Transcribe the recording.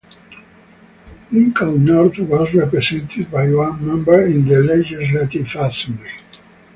Lincoln North was represented by one member in the Legislative Assembly.